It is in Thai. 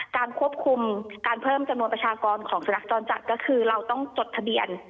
การควบคุมการเพิ่มจำนวนประชากรของสุนัขจรจัดก็คือเราต้องจดทะเบียน